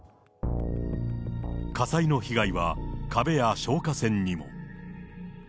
火災の被害は壁や消火栓にも。